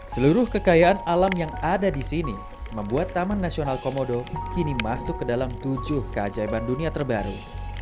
seluruh kekayaan alam yang ada di sini membuat taman nasional komodo kini masuk ke dalam tujuh keajaiban dunia terbaru